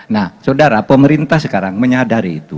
nah saudara pemerintah sekarang menyadari itu